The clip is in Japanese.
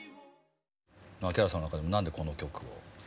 槇原さんの中でも何でこの曲を？